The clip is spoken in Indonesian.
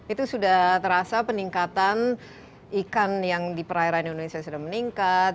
itu sudah terasa peningkatan ikan yang di perairan indonesia sudah meningkat